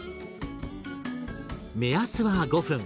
目安は５分。